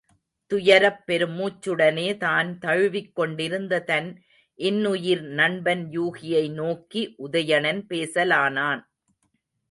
துயரப் பெரு மூச்சுடனே தான் தழுவிக் கொண்டிருந்த தன் இன்னுயிர் நண்பன் யூகியை நோக்கி உதயணன் பேசலானான்.